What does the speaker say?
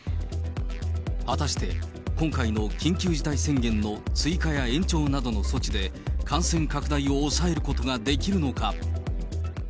果たして、今回の緊急事態宣言の追加や延長などの措置で、感染拡大を抑えることができるのか。